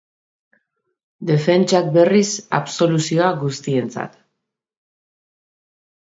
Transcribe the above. Defentsak, berriz, absoluzioa guztientzat.